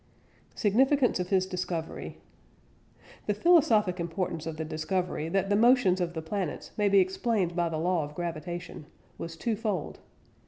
SIGNIFICANCE OF HIS DISCOVERY. The philosophic importance of the discovery that the motions of the planets may be explained by the "law of gravitation" was twofold.